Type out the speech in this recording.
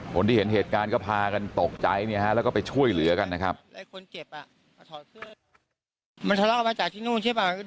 คนที่เห็นเหตุการณ์ก็พากันตกใจแล้วก็ไปช่วยเหลือกันนะครับ